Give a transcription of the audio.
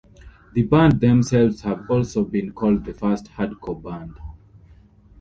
The band themselves have also been called the first hardcore band.